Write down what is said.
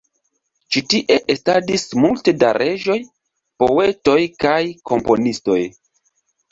Ĉi tie estadis multe da reĝoj, poetoj kaj komponistoj.